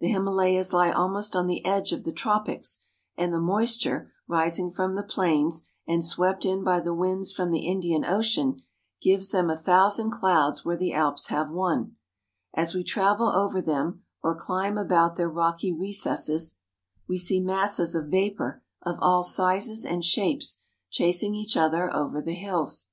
The Himalayas lie almost on the edge of the tropics, and the moisture, rising from the plains and swept in by the winds from the Indian Ocean, gives them a thousand clouds where the Alps have one. As we travel over them, or climb about their rocky (298) In the Himalayas. IN THE HEART OF THE HIMALAYA MOUNTAINS 299 recesses, we see masses of vapor of all sizes and shapes chasing each other over the hills.